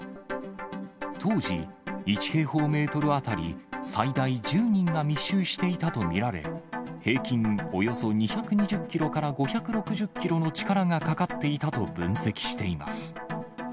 当時、１平方メートル当たり最大１０人が密集していたと見られ、平均およそ２２０キロから５６０キロの力がかかっていたと分析しています。